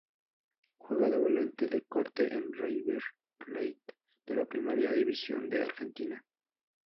Juega de volante de corte en River Plate de la Primera División de Argentina.